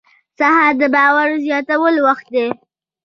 سهار د باور زیاتولو وخت دی.